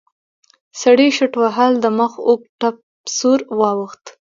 سړي شټوهل د مخ اوږد ټپ سور واوښت.